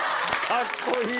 カッコいい。